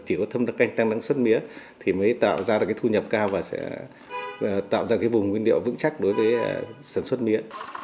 chỉ có thâm canh tăng năng sản xuất mía thì mới tạo ra thu nhập cao và sẽ tạo ra vùng nguyên liệu vững chắc đối với sản xuất mía